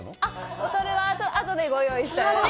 ボトルもあとでご用意します。